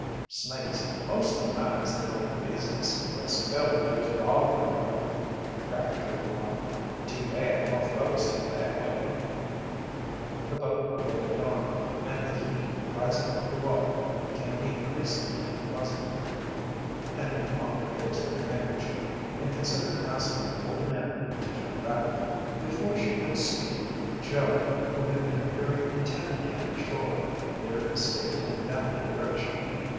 "Snakes mostly minds their own business 'less a feller goes botherin' 'em," Trapper Joe remarked. "Too bad more folks ain't that way." The boat floated on, and the heat rising from the water became increasingly unpleasant. Penny mopped her face with a handkerchief and considered asking the old man to turn back. Before she could speak, Joe who had been peering intently at the shore, veered the skiff in that direction.